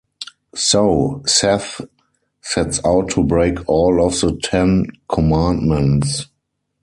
So Seth sets out to break all of the ten commandments.